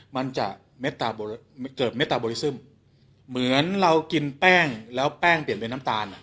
มันจะเกิดเมตตาบริซึมเหมือนเรากินแป้งแล้วแป้งเปลี่ยนเป็นน้ำตาลอ่ะ